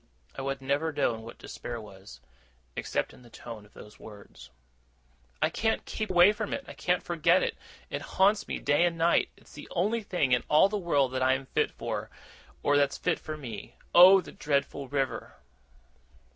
I have never known what despair was, except in the tone of those words. 'I can't keep away from it. I can't forget it. It haunts me day and night. It's the only thing in all the world that I am fit for, or that's fit for me. Oh, the dreadful river!